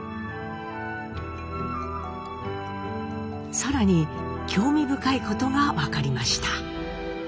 更に興味深いことが分かりました。